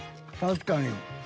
確かに。